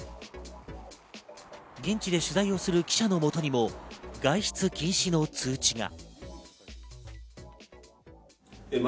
現地で取材をする記者の元にも外出禁止の通知が。